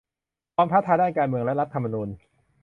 ความท้าทายด้านการเมืองและรัฐธรรมนูญ